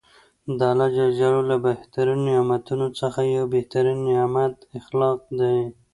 د الله ج له بهترینو نعمتونوڅخه یو بهترینه نعمت اخلاق دي .